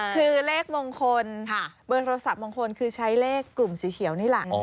คือเลขมงคลเบอร์โทรศัพท์มงคลคือใช้เลขกลุ่มสีเขียวนี่แหละ